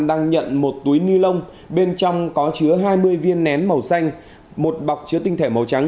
đang nhận một túi ni lông bên trong có chứa hai mươi viên nén màu xanh một bọc chứa tinh thể màu trắng